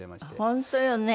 本当よね。